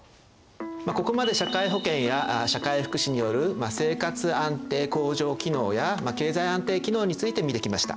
ここまで社会保険や社会福祉による生活安定・向上機能や経済安定機能について見てきました。